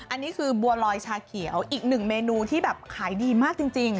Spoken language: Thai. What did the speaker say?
อันนี้คือบัวลอยชาเขียวอีกหนึ่งเมนูที่แบบขายดีมากจริง